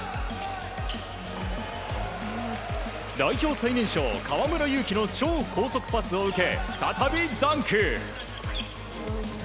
代表最年少、河村勇輝の超高速パスを受け再びダンク！